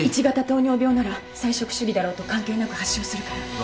１型糖尿病なら菜食主義だろうと関係なく発症するから。